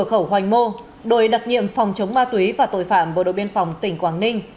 khẩu hoành mô đội đặc nhiệm phòng chống ma túy và tội phạm bộ đội biên phòng tỉnh quảng ninh